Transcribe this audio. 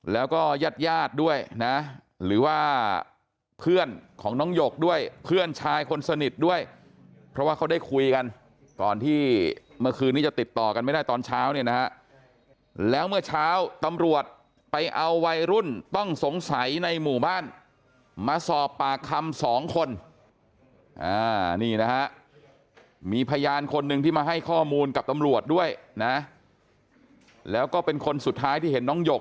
แล้วก็ญาติญาติด้วยนะหรือว่าเพื่อนของน้องหยกด้วยเพื่อนชายคนสนิทด้วยเพราะว่าเขาได้คุยกันก่อนที่เมื่อคืนนี้จะติดต่อกันไม่ได้ตอนเช้าเนี่ยนะฮะแล้วเมื่อเช้าตำรวจไปเอาวัยรุ่นต้องสงสัยในหมู่บ้านมาสอบปากคำสองคนนี่นะฮะมีพยานคนหนึ่งที่มาให้ข้อมูลกับตำรวจด้วยนะแล้วก็เป็นคนสุดท้ายที่เห็นน้องหยก